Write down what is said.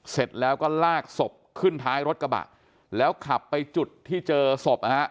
เสร็จแล้วก็ลากศพขึ้นท้ายรถกระบะแล้วขับไปจุดที่เจอศพนะฮะ